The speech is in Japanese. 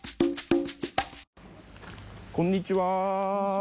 こんにちは。